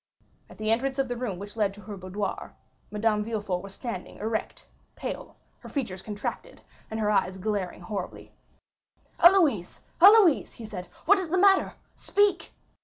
At the entrance of the room which led to her boudoir, Madame de Villefort was standing erect, pale, her features contracted, and her eyes glaring horribly. "Héloïse, Héloïse!" he said, "what is the matter? Speak!"